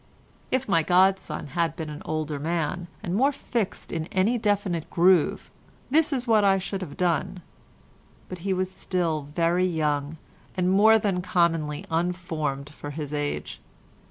If my godson had been an older man, and more fixed in any definite groove, this is what I should have done, but he was still very young, and more than commonly unformed for his age.